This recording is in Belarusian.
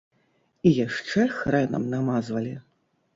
І яшчэ хрэнам намазвалі.